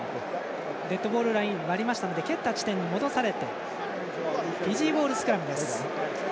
デッドボールライン割りましたので蹴った地点に戻されてフィジーボールスクラムです。